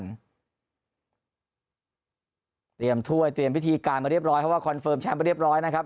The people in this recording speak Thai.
เตรียมถ้วยเตรียมพิธีการมาเรียบร้อยเพราะว่าคอนเฟิร์มแชมปไปเรียบร้อยนะครับ